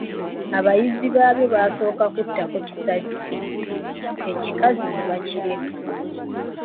Abayizzi baabyo basooka kuttako kisajja, ebikazi ne babireka.